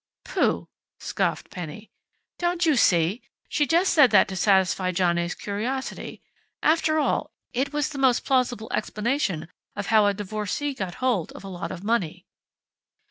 "Pooh!" scoffed Penny. "Don't you see? She just said that to satisfy Johnny's curiosity. After all, it was the most plausible explanation of how a divorcee got hold of a lot of money."